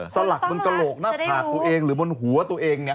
สลักบนกระโหลกหน้าผากตัวเองหรือบนหัวตัวเองเนี่ย